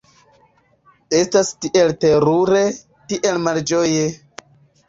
Estas tiel terure, tiel malĝoje!